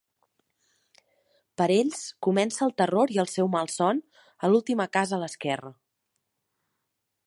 Per a ells, comença el terror i el seu malson, a l'última Casa a l'esquerra.